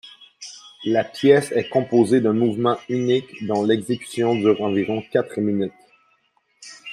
La pièce est composée d'un mouvement unique dont l'exécution dure environ quatre minutes.